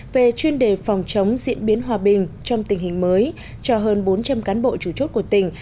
về chuyên đề phòng chống diễn biến hòa bình trong tình hình mới cho hơn bốn trăm linh cán bộ chủ chốt của tỉnh